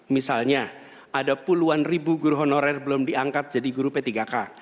misalnya ada puluhan ribu guru honorer belum diangkat jadi guru p tiga k